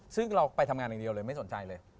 ซึ่งเราไปทำงานอย่างเดียวเลยไม่สนใจเลย